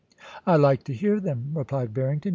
' I like to hear them,' replied Barrington.